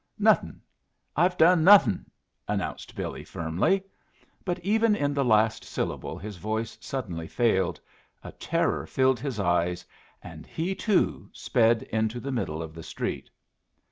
"Nothing; I've done nothing," announced Billy, firmly. But even in the last syllable his voice suddenly failed, a terror filled his eyes, and he, too, sped into the middle of the street.